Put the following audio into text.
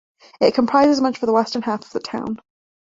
It comprises much of the western half of the town.